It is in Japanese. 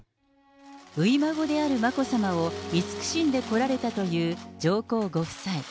初孫である眞子さまを慈しんでこられたという上皇ご夫妻。